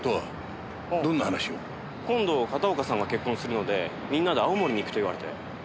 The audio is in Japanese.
今度片岡さんが結婚するのでみんなで青森に行くと言われて。